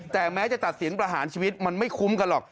แต่แม้จะตัดสินประหารชีวิตมันไม่คุ้มกันหรอก